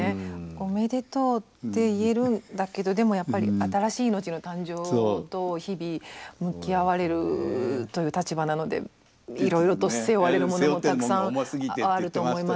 おめでとうって言えるんだけどでもやっぱり新しい命の誕生と日々向き合われるという立場なのでいろいろと背負われるものもたくさんあると思います。